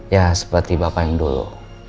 ya seperti bapak yang dulu